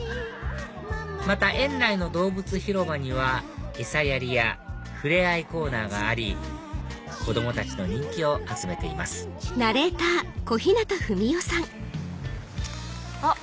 また園内の動物広場には餌やりや触れ合いコーナーがあり子供たちの人気を集めていますあっ！